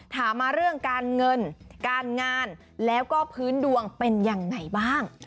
ถามมาเรื่องการเงินการงานแล้วก็พื้นดวงเป็นอย่างไรบ้าง